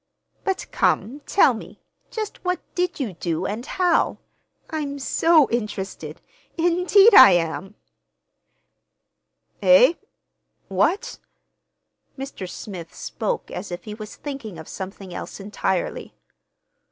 "But, come, tell me, just what did you do, and how? I'm so interested—indeed, I am!" "Eh? What?" Mr. Smith spoke as if he was thinking of something else entirely.